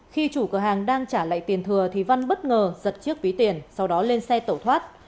khi chủ cửa hàng đang trả lại tiền thừa thì văn bất ngờ giật chiếc ví tiền sau đó lên xe tẩu thoát